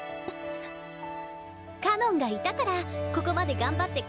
かのんがいたからここまで頑張ってこられた。